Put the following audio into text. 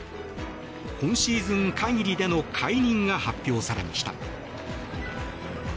今シーズン限りでの解任が発表されました。